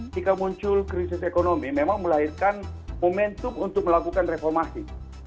jika muncul krisis ekonomi memang melahirkan momentum untuk melakukan reformasi